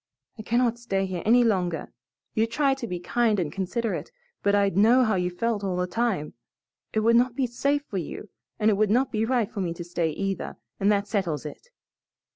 I cannot stay here any longer. You'd try to be kind and considerate, but I'd know how you felt all the time. It would not be safe for you and it would not be right for me to stay, either, and that settles it.